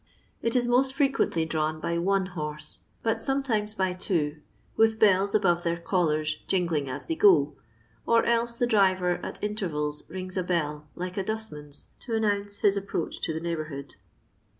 It is most frequently drawn by one horse, but some times by two, with bells above their collars jing ling as they go, or else the driver at intervals rings a bell like a dustman's, to announce his approach to the neighbourhood.